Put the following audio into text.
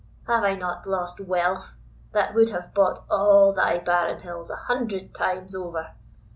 Have I not lost wealth, that would have bought all thy barren hills a hundred times over?